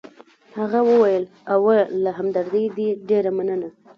هغه وویل: اوه، له همدردۍ دي ډېره مننه.